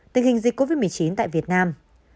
tình hình dịch covid một mươi chín tại việt nam